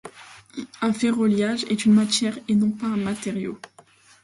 Un ferroalliage est une matière et non pas un matériau.